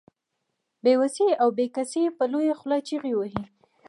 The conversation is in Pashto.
بې وسي او بې کسي يې په لويه خوله چيغې وهي.